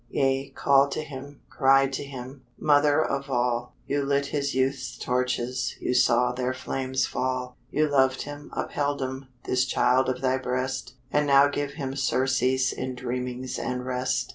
Yea, call to him, cry to him, Mother of all; You lit his youth's torches, You saw their flames fall. You loved him, upheld him, This child of thy breast, And now give him surcease In dreamings and rest.